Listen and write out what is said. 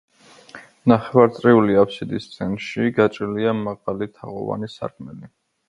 ნახევარწრიული აბსიდის ცენტრში გაჭრილია მაღალი, თაღოვანი სარკმელი.